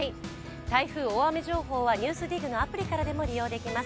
台風・大雨情報は「ＮＥＷＳＤＩＧ」のアプリからもご覧いただけます。